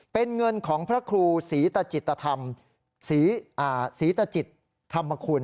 เป็นเงินของพระครูศรีตจิตธรรมศรีตจิตธรรมคุณ